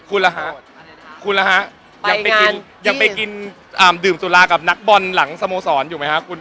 คุณล่ะฮะยังไปกินดื่มสุราคับนักบอลหลังสโมสรอยู่ไหมฮะคุณ